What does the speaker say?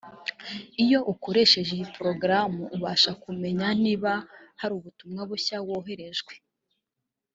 Iyo ukoresheje iyi porogaramu ubasha kumenya niba hari ubutumwa bushya wohererejwe